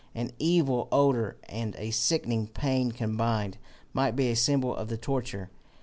An evil odour and a sickening pain combined, might be a symbol of the torture.